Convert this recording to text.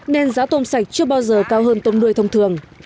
nên giá tôm sạch chưa bao giờ cao hơn tôm nuôi thông thường